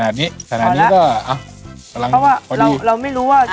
ขนาดนี้ขณะนี้ก็เพราะว่าเราเราไม่รู้ว่า